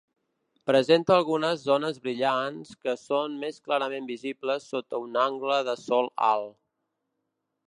Presenta algunes zones brillants, que són més clarament visibles sota un angle de Sol alt.